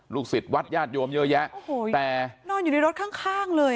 ลูกศิษย์วัดญาติโยมเยอะแยะโอ้โหนอนอยู่ในรถข้างเลย